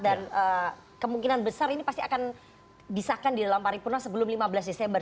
dan kemungkinan besar ini pasti akan disahkan di dalam paripurna sebelum lima belas desember